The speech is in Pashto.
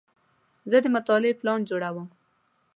زه د مطالعې پلان جوړوم.